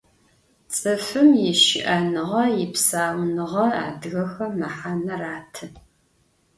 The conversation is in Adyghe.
Ts'ıfım yişı'enığe, yipsaunığe adıgexem mehane ratı.